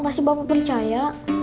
pasti bapak percaya